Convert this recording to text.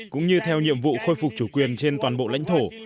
cũng như theo nhiệm vụ khôi phục chủ quyền trên toàn bộ lãnh thổ